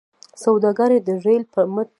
سوداګري د ریل په مټ چټکه شوه.